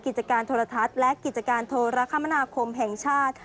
กิจการโทรทัศน์และกิจการโทรคมนาคมแห่งชาติ